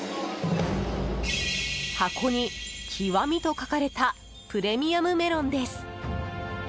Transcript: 箱に「極」と書かれたプレミアムメロンです。